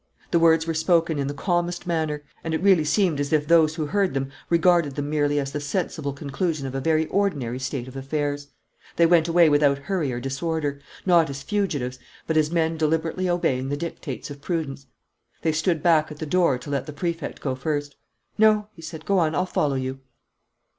The words were spoken in the calmest manner; and it really seemed as if those who heard them regarded them merely as the sensible conclusion of a very ordinary state of affairs. They went away without hurry or disorder, not as fugitives, but as men deliberately obeying the dictates of prudence. They stood back at the door to let the Prefect go first. "No," he said, "go on; I'll follow you."